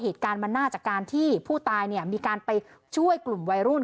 เหตุการณ์มันน่าจะการที่ผู้ตายเนี่ยมีการไปช่วยกลุ่มวัยรุ่น